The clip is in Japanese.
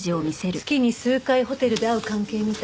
月に数回ホテルで会う関係みたい。